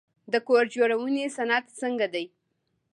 د کور جوړونې صنعت څنګه دی؟